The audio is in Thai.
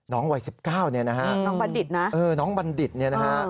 วัย๑๙เนี่ยนะฮะน้องบัณฑิตนะน้องบัณฑิตเนี่ยนะฮะ